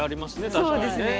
確かにね。